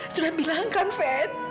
sudah bilang kan fen